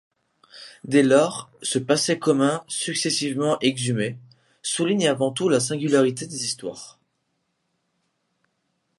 Dès lors, ce passé commun, successivement exhumé, souligne avant tout la singularité des histoires.